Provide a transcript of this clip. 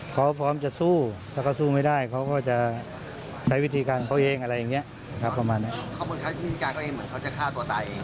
เขาพร้อมจะสู้ถ้าเขาสู้ไม่ได้เขาก็จะใช้วิธีการเขาเองอะไรอย่างนี้ถือประมาณนี้